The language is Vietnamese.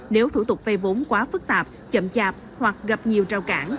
nếu thủ tục vây vốn quá phức tạp chậm chạp hoặc gặp nhiều trao cản